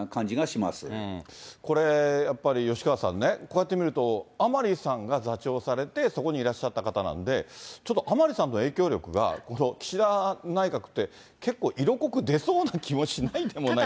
やっぱり吉川さんね、こうやって見ると、甘利さんが座長されて、そこにいらっしゃった方なんで、ちょっと甘利さんの影響力が、この岸田内閣って、結構、色濃く出そうな気もしないでもない。